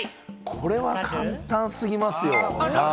これは簡単すぎます。